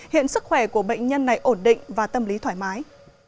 hiện sức khỏe của bệnh nhân này ổn định và tâm lý thoải mái